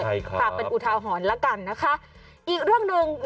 ใช่ค่ะฝากเป็นอุทาหรณ์แล้วกันนะคะอีกเรื่องหนึ่ง